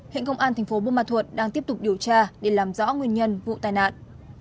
hệ công an tp bumathuot đang tiếp tục điều tra để làm rõ nguyên nhân vụ tai nạn